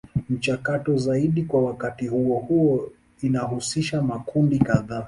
Michakato zaidi kwa wakati huo huo inahusisha makundi kadhaa.